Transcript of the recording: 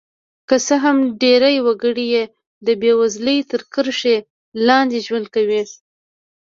که څه هم ډېری وګړي یې د بېوزلۍ تر کرښې لاندې ژوند کوي.